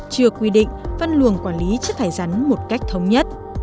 chưa quy định văn luồng quản lý chất thải rắn một cách thống nhất